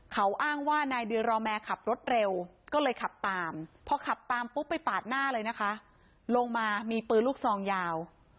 เขาอ้างว่านายดิรอแมร์ขับรถเร็วก็เลยขับตามพอขับตามปุ๊บไปปาดหน้าเลยนะคะลงมามีปืนลูกซองยาว